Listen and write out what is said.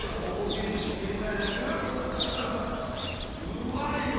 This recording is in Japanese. うまいよ！